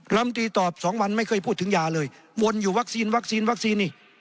ลำตีตอบ๒วันไม่เคยพูดถึงยาเลยวนอยู่วัคซีนวัคซีนนี่